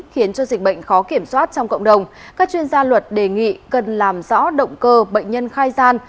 khiến cho dịch bệnh khó kiểm soát trong cộng đồng các chuyên gia luật đề nghị cần làm rõ động cơ bệnh nhân khai gian